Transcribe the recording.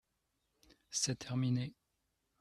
C’est terminé